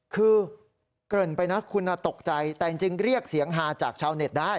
คือเกริ่นไปนะคุณตกใจแต่จริงเรียกเสียงฮาจากชาวเน็ตได้